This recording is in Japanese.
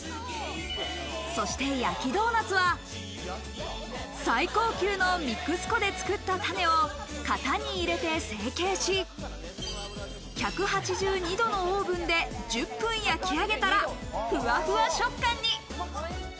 そして焼きドーナツは最高級のミックス粉で作ったタネを型に入れて成形し、１８２度のオーブンで１０分焼き上げたら、ふわふわ食感に。